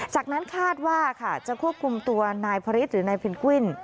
จากนั้นคาดว่าค่ะจะควบคุมตัวนายพระฤทธิหรือนายเพนกวิน